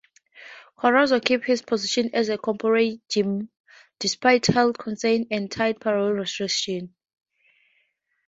Corozzo kept his position as a Caporegime, despite health concerns and tight parole restrictions.